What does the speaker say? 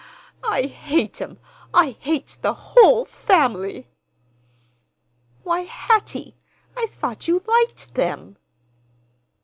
I hate him! I hate the whole family!" "Why, Hattie, I thought you liked them!"